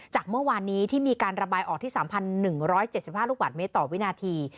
จากเมื่อวานนี้ที่มีการระบายออกที่๓๑๗๕ลูกบาทเมตรต่อวินาที